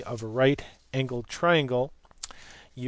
of a right angled triangle (Euc.